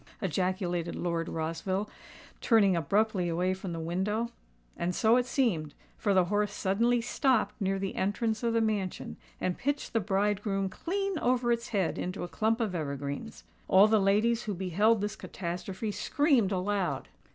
ejaculated Lord Rossville, turning abruptly away from the window. And so it seemed; for the horse suddenly stopped near the entrance of the mansion, and pitched the bridegroom clean over its head into a clump of evergreens. All the ladies who beheld this catastrophe screamed aloud.